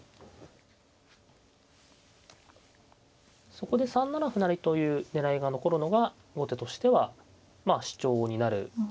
そこで３七歩成という狙いが残るのが後手としてはまあ主張になるポイントですね。